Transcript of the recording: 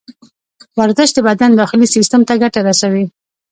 ورزش د بدن داخلي سیستم ته ګټه رسوي.